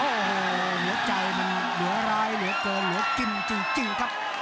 โอ้โหหลัวใจมันหลัวร้ายหลัวเกาะหลัวกินจริงครับ